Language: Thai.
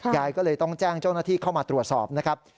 ยายก็เลยต้องแจ้งเจ้าหน้าที่เข้ามาตรวจสอบนะครับ